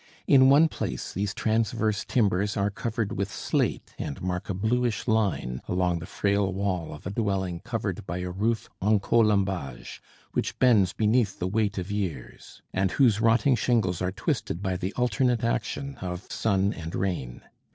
In one place these transverse timbers are covered with slate and mark a bluish line along the frail wall of a dwelling covered by a roof en colombage which bends beneath the weight of years, and whose rotting shingles are twisted by the alternate action of sun and rain.